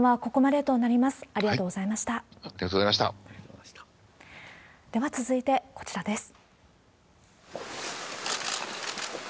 では続いて、こちらです。